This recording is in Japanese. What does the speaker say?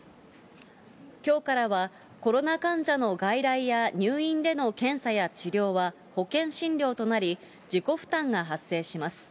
きょうからはコロナ患者の外来や入院での検査や治療は保険診療となり、自己負担が発生します。